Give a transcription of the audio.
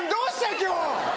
今日。